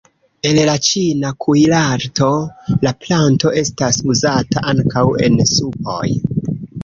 En la ĉina kuirarto la planto estas uzata ankaŭ en supoj.